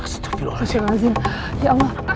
stupido hasilnya ya allah